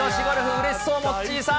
うれしそう、モッチーさん。